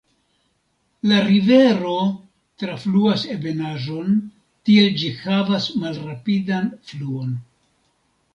La rivero trafluas ebenaĵon, tiel ĝi havas malrapidan fluon.